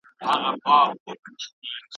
بیا ورته پرشتي راغلې او د خدای پیغام یې راوړ.